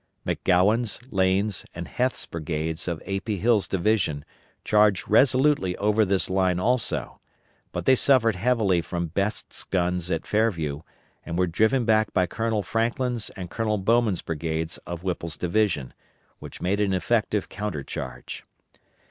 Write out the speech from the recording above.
McGowan's, Lane's, and Heth's brigades of A. P. Hill's division charged resolutely over this line also; but they suffered heavily from Best's guns at Fairview, and were driven back by Colonel Franklin's and Colonel Bowman's brigades of Whipple's division, which made an effective counter charge.